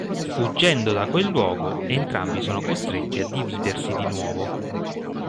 Fuggendo da quel luogo, entrambi sono costretti a dividersi di nuovo.